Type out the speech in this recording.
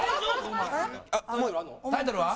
タイトルは？